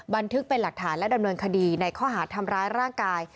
บันทึกเป็นหลักฐานและดำเนินคดีในข้อหาทำร้ายร่างกาย